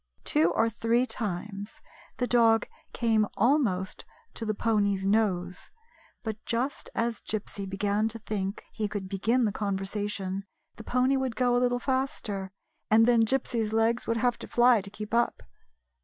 Two or three times the dog came almost to the pony's nose, but just as Gypsy began to think he could begin the conversation the pony would go a little faster, and then Gypsy's legs would have to fly to keep up.